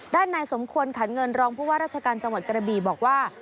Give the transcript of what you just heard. ด้านนายสมควรขันเงินรองผู้ว่าราชการจังหวัดกระบีบอกว่า